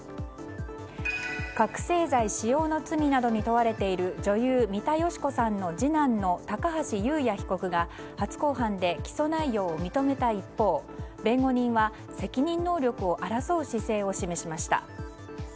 覚醒剤使用の罪などに問われている女優・三田佳子さんの次男の高橋祐也被告が初公判で起訴内容を認めた一方弁護人は責任能力を争う姿勢を示しました。